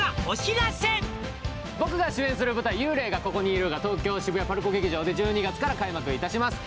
僕が主演する舞台「幽霊はここにいる」が東京渋谷ＰＡＲＣＯ劇場で１２月から開幕いたします